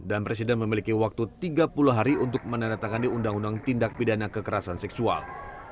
dan presiden memiliki waktu tiga puluh hari untuk meneretakani undang undang tindak pidana kekerasan seksual